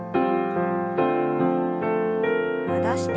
戻して。